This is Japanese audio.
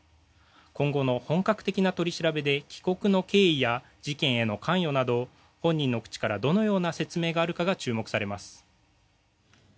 今後の本格的な取り調べで帰国の経緯や事件への関与など本人の口からどのような説明があるかが注目されます。